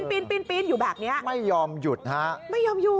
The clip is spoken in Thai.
ปีนอยู่แบบนี้ไม่ยอมหยุดฮะไม่ยอมหยุด